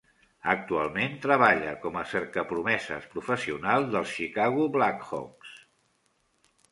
Actualment treballa com a cercapromeses professional dels Chicago Blackhawks.